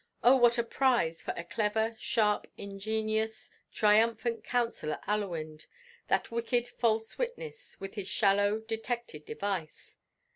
Oh! what a prize for a clever, sharp, ingenious, triumphant Counsellor Allewinde, that wicked false witness, with his shallow, detected device.